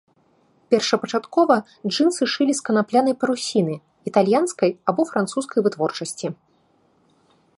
Першапачаткова джынсы шылі з канаплянай парусіны італьянскай або французскай вытворчасці.